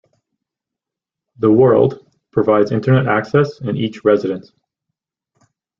"The World" provides internet access in each residence.